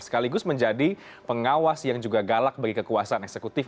sekaligus menjadi pengawas yang juga galak bagi kekuasaan eksekutif